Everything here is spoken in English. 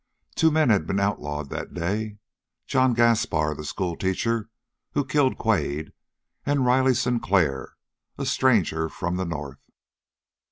Two men had been outlawed that day John Gaspar, the schoolteacher who killed Quade, and Riley Sinclair, a stranger from the North.